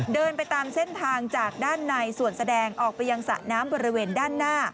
เดินไปตามเส้นทางจากด้านในส่วนแสดงออกไปยังสระน้ำบริเวณด้านหน้า